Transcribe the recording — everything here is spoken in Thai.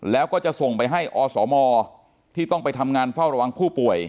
แล้วก็จะส่งไปให้อสมที่ต้องไปทำงานเฝ้าระวังผู้ป่วย